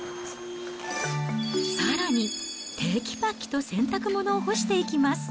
さらにてきぱきと洗濯物を干していきます。